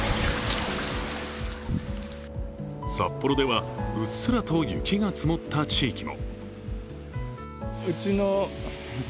札幌では、うっすらと雪が積もった地域も。